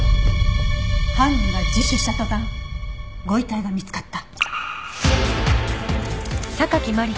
犯人が自首した途端ご遺体が見つかった？